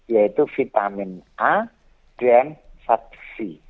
yaitu vitamin a dan saksi